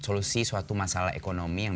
solusi suatu masalah ekonomi yang